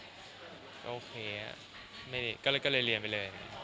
ก็โอเคไม่ได้ก็เลยเรียนไปเลย